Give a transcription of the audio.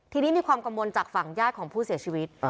ทีนี้มีความกังวลจากฝั่งญาติของผู้เสียชีวิต